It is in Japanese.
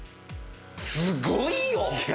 すごいよ！